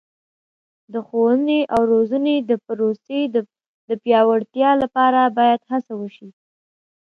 د ښوونې او روزنې د پروسې د پیاوړتیا لپاره باید هڅه وشي.